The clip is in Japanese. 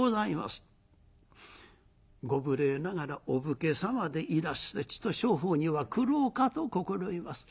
ご無礼ながらお武家様でいらしてちと商法には苦労かと心得ます。